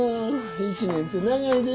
１年て長いで。